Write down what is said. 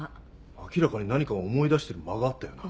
明らかに何かを思い出してる間があったよな。